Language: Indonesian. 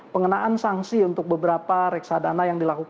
pengenaan sanksi untuk beberapa reksadana yang dilakukan